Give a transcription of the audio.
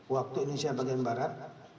waktu indonesia bagian barat